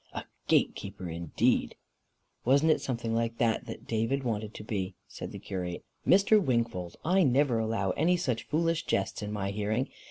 A gate keeper, indeed!" "Wasn't it something like that David wanted to be?" said the curate. "Mr. Wingfold, I never allow any such foolish jests in my hearing.